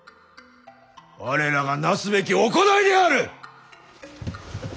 我らがなすべき行いである！